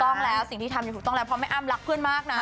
ต้องแล้วสิ่งที่ทำอยู่ถูกต้องแล้วเพราะแม่อ้ำรักเพื่อนมากนะ